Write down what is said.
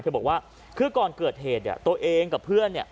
บอกว่าคือก่อนเกิดเหตุเนี่ยตัวเองกับเพื่อนเนี่ย